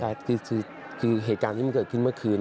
ใช่คือเหตุการณ์ที่มันเกิดขึ้นเมื่อคืน